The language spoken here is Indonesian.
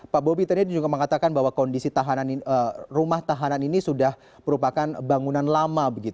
pak bobi tadi juga mengatakan bahwa kondisi rumah tahanan ini sudah merupakan bangunan lama